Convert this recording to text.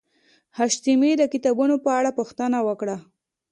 حشمتي د کتابونو په اړه پوښتنه وکړه